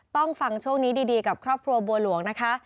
ต้องฟังช่วงนี้ดีกับครอบครัวบัวหลวงนะคะ